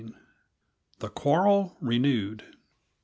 The Quarrel Renewed.